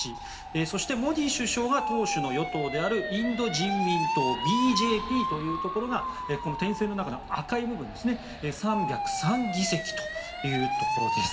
そして、モディ首相が党首の与党であるインド人民党ＢＪＰというところがこの点線の中の赤い部分３０３議席というところです。